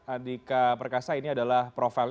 andika perkasa ini adalah profil